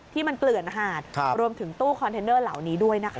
ที่มันเกลื่อนหาดรวมถึงตู้คอนเทนเนอร์เหล่านี้ด้วยนะคะ